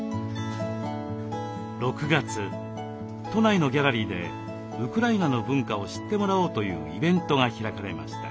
６月都内のギャラリーでウクライナの文化を知ってもらおうというイベントが開かれました。